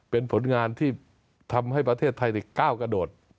เป็นผลงานที่ทำให้ประเทศไทยก้าวกระโดด